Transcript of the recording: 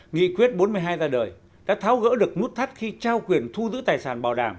nghị quyết bốn mươi hai ra đời đã tháo gỡ được nút thắt khi trao quyền thu giữ tài sản bảo đảm